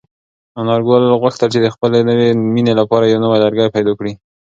انارګل غوښتل چې د خپلې نوې مېنې لپاره یو نوی لرګی پیدا کړي.